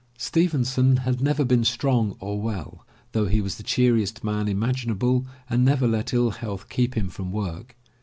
Stevenson had never been strong or well, though he was the cheeriest man imaginable and never let ill health keep him from work.